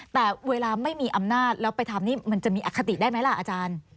แต่เวลาไม่มีอำนาจแล้วไปทำนี่มันจะมีอคติได้ไหมล่ะอาจารย์